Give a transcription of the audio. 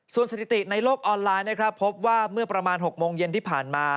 ส่วนสถิติในโลกออนไลน์นะครับพบว่าเมื่อประมาณ๖โมงเย็นที่ผ่านมา